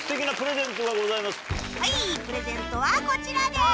はいプレゼントはこちらです。